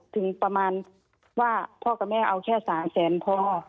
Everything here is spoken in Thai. ถึงประมาณว่าพ่อกับแม่เอาแค่๓แสนพ่อ